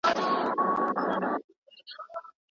شاعران خپل احساس او فکر خلکو ته رسوي.